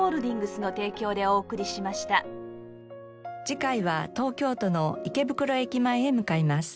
次回は東京都の池袋駅前へ向かいます。